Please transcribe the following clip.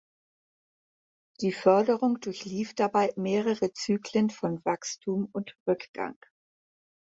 Die Förderung durchlief dabei mehrere Zyklen von Wachstum und Rückgang.